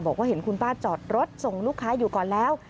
บอกว่าเห็นคุณป้าจอดรถส่งลูกค้าอยู่ก่อนแล้ว